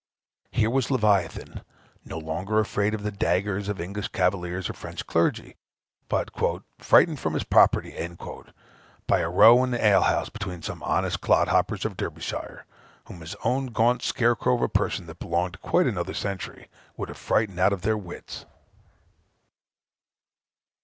Here was Leviathan, no longer afraid of the daggers of English cavaliers or French clergy, but "frightened from his propriety" by a row in an ale house between some honest clod hoppers of Derbyshire, whom his own gaunt scare crow of a person that belonged to quite another century, would have frightened out of their wits.